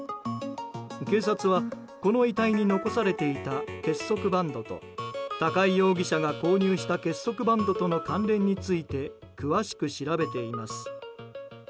警察はこの遺体に残されていた結束バンドと高井容疑者が購入した結束バンドとの関連について詳しく調べています。